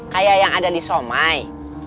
kayak yang ada di somai